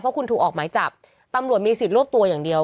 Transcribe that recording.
เพราะคุณถูกออกหมายจับตำรวจมีสิทธิ์รวบตัวอย่างเดียว